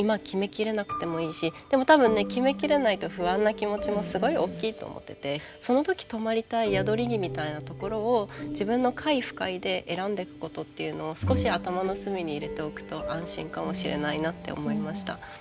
でも多分ね決め切れないと不安な気持ちもすごいおっきいと思っててその時止まりたい宿り木みたいなところを自分の快不快で選んでくことっていうのを少し頭の隅に入れておくと安心かもしれないなって思いました。